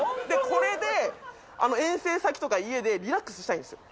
これで遠征先とか家でリラックスしたいんすよ。